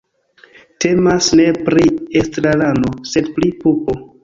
Temas ne pri estrarano, sed pri pupo.